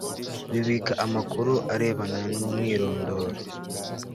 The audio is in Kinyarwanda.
bibika amakuru arebana n umwirondoro